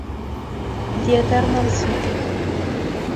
The Eternal City